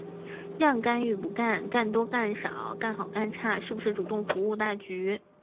让干与不干、干多干少、干好干差、是不是主动服务大局、